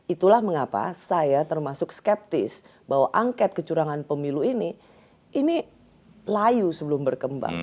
itulah mengapa saya termasuk skeptis bahwa angket kecurangan pemilu ini ini layu sebelum berkembang